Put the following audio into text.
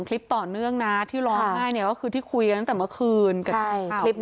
เรื่องนี้แบบ